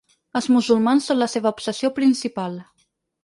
Els musulmans són la seva obsessió principal.